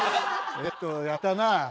えっとやったなあ。